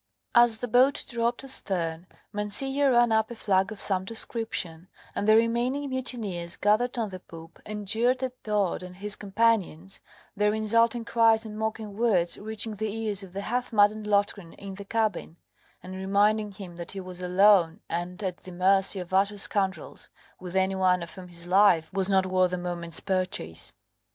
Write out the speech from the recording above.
As the boat dropped astern, Mancillo ran up a flag of some description, and the remaining mutineers gathered on the poop and jeered at Todd and his companions; their insulting cries and mocking words reaching the ears of the half maddened Loftgreen in the cabin, and reminding him that he was alone and at the mercy of utter scoundrels, with any one of whom his life was not worth a moment's purchase.